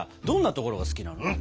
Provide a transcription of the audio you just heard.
どんなところが好きなの？